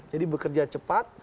jadi bekerja cepat